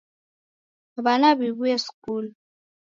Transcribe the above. W'ana w'iw'uye skulu!